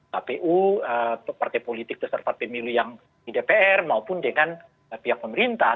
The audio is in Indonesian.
kpu partai politik peserta pemilu yang di dpr maupun dengan pihak pemerintah